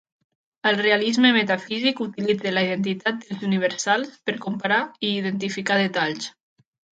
El realisme metafísic utilitza la identitat dels "universals" per comparar i identificar detalls.